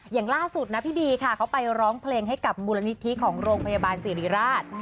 อย่างล่าสุดนะพี่บีค่ะเขาไปร้องเพลงให้กับมูลนิธิของโรงพยาบาลสิริราช